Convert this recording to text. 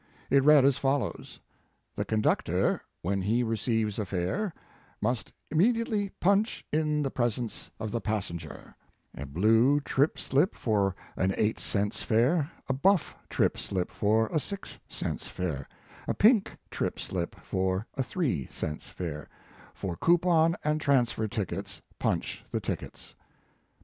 It read as follows: The CONDUCTOR, when he receives a Fare, must immediately PUNCH in the presence of the passenger, A BLUE Trip Slip for an 8 Cents Fare, A BUFF Trip Slip for a 6 Cents Fare, A PINK Trip Slip for a 3 Cents Fare, FOR COUPON AND TRANSFER TICKETS, PUNCH THE TICKETS.